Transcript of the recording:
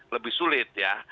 lebih sulit ya